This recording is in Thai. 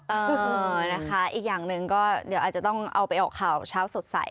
เออนะคะอีกอย่างหนึ่งก็เดี๋ยวอาจจะต้องเอาไปออกข่าวเช้าสดใส